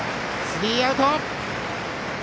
スリーアウト。